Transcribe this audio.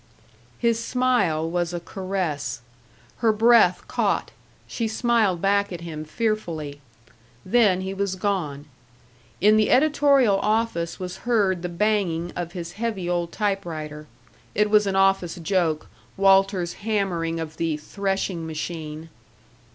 His smile was a caress. Her breath caught, she smiled back at him fearfully. Then he was gone. In the editorial office was heard the banging of his heavy old typewriter it was an office joke, Walter's hammering of the "threshing machine."